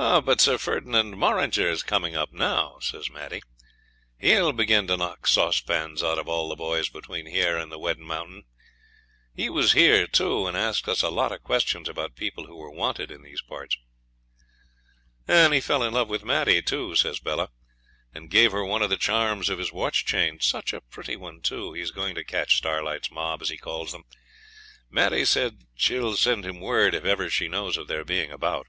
'Ah! but Sir Ferdinand Morringer's come up now,' says Maddie. 'He'll begin to knock saucepans out of all the boys between here and Weddin Mountain. He was here, too, and asked us a lot of questions about people who were "wanted" in these parts.' 'He fell in love with Maddie, too,' says Bella, 'and gave her one of the charms of his watch chain such a pretty one, too. He's going to catch Starlight's mob, as he calls them. Maddie says she'll send him word if ever she knows of their being about.'